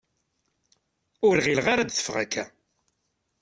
Ur ɣileɣ ara ad d-teffeɣ akka.